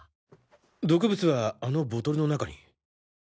毒物はあのボトルの中に。